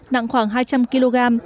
nặng khoảng hai trăm linh kg